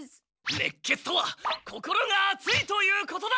熱血とは心があついということだ！